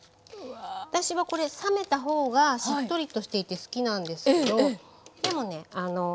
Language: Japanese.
私はこれ冷めた方がしっとりとしていて好きなんですけどでもね